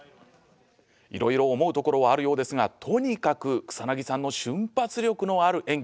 いろいろ思うところはあるようですがとにかく草さんの瞬発力のある演技